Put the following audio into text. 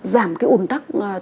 giảm cái ủn tắc